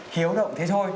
hiếu động thế thôi